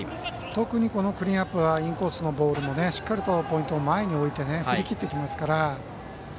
特にこのクリーンナップはインコースのボールもしっかりとポイントを前に置いて振り切ってきますから。